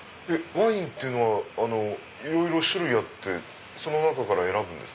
ワインはいろいろ種類あってその中から選ぶんですか？